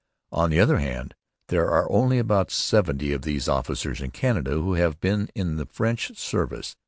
'On the other hand, there are only about seventy of these officers in Canada who have been in the French service.